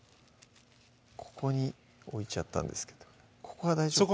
ここに置いちゃったんですけどここは大丈夫ですか？